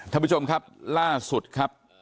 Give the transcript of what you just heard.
ท่านผู้ชมครับล่าสุดครับ